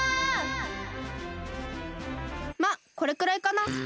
まっこれくらいかな。